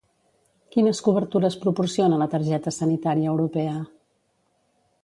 Quines cobertures proporciona la targeta sanitària europea?